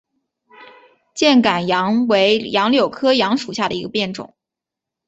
箭杆杨为杨柳科杨属下的一个变种。